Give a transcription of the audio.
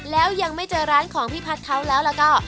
แล้วยังไม่เจอร้านของพี่พัฒน์เขาแล้วแล้วก็